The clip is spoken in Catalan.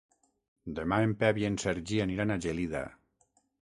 Demà en Pep i en Sergi aniran a Gelida.